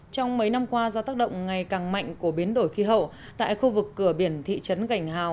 trong mấy năm qua do tác động ngày càng mạnh của biến đổi khí hậu tại khu vực cửa biển thị trấn gành hào